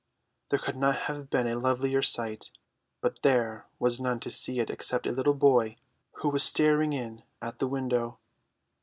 There could not have been a lovelier sight; but there was none to see it except a little boy who was staring in at the window.